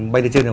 bay lên trên